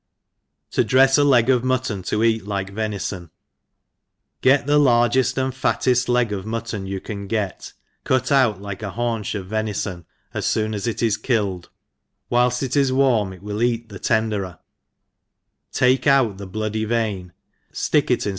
« To drefs a Leg of Mutton to eat like Venison, GET the largeft and fatteft leg of mutton you, can get, cut out Jikq a haunch of venifon j as fooa. as it is killed, whilfl it is warm, it will eat the tenderer, take out the bloody vein, ftick it in.